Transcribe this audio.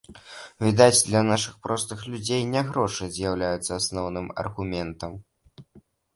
Відаць, для нашых простых людзей не грошы з'яўляюцца асноўным аргументам!